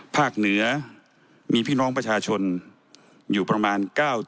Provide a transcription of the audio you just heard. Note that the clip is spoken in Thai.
เหนือมีพี่น้องประชาชนอยู่ประมาณ๙๐